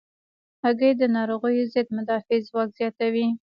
هګۍ د ناروغیو ضد مدافع ځواک زیاتوي.